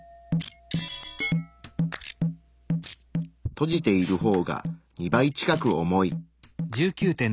閉じている方が２倍近く重い。